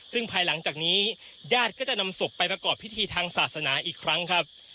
ซึ่งภายหลังจากนี้ญาติก็จะนำศพไปประกอบพิธีทางศาสนาอีกครั้งครับ